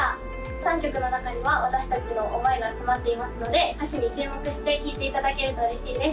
３曲の中には私達の思いが詰まっていますので歌詞に注目して聴いていただけると嬉しいです